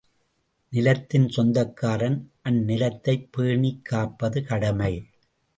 நிலத்தின் சொந்தக்காரன் அந்நிலத்தைப் பேணிக்காப்பது கடமை.